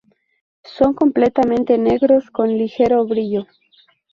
Son completamente negros con ligero brillo.